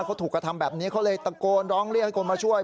เขาถูกกระทำแบบนี้เขาเลยตะโกนร้องเรียกให้คนมาช่วย